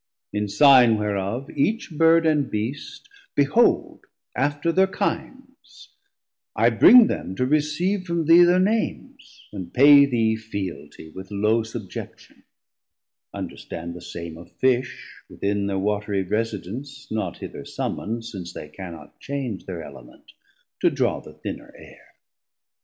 In signe whereof each Bird and Beast behold After thir kindes; I bring them to receave From thee thir Names, and pay thee fealtie With low subjection; understand the same Of Fish within thir watry residence, Not hither summond, since they cannot change Thir Element to draw the thinner Aire.